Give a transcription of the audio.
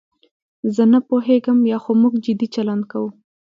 زه نه پوهېږم یا خو موږ جدي چلند کوو.